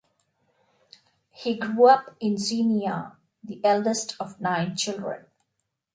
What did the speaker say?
He grew up in Xenia, the eldest of nine children.